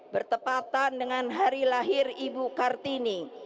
bertepatan dengan hari lahir ibu kartini